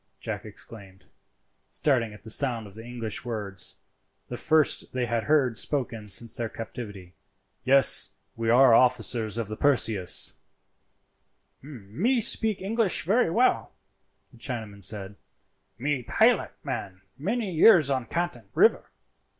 Jack exclaimed, starting at the sound of the English words, the first they had heard spoken since their captivity. "Yes, we are officers of the Perseus." "Me speeke English velly well," the Chinaman said; "me pilot man many years on Canton river.